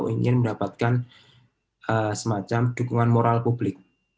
ingin mendapatkan semacam dukungan moral publik